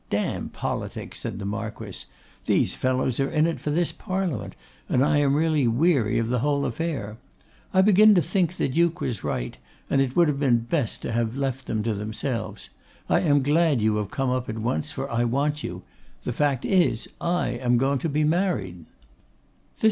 'D n politics!' said the Marquess. 'These fellows are in for this Parliament, and I am really weary of the whole affair. I begin to think the Duke was right, and it would have been best to have left them to themselves. I am glad you have come up at once, for I want you. The fact is, I am going to be married.